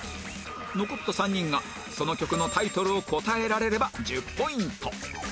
残った３人がその曲のタイトルを答えられれば１０ポイント